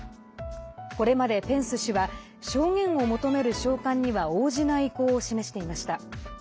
これまでペンス氏は証言を求める召喚には応じない意向を示していました。